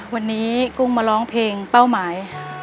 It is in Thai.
วันนี้กุ้งมาร้องเพลงเป้าหมาย